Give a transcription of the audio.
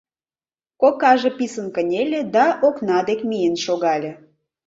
— Кокаже писын кынеле да окна дек миен шогале.